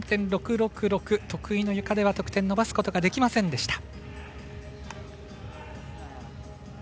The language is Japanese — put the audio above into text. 得意のゆかで得点を伸ばすことができませんでした。